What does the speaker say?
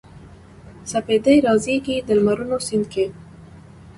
سپیدې رازیږي د لمرونو سیند کې